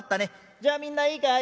じゃあみんないいかい？